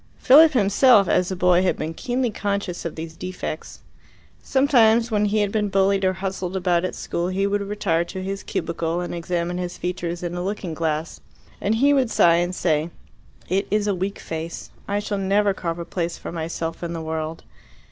Philip himself, as a boy, had been keenly conscious of these defects. Sometimes when he had been bullied or hustled about at school he would retire to his cubicle and examine his features in a looking glass, and he would sigh and say, "It is a weak face. I shall never carve a place for myself in the world."